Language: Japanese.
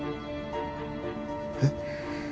えっ？